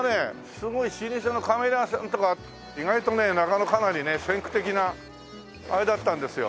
すごい老舗のカメラ屋さんとか意外とね中野かなりね先駆的なあれだったんですよ。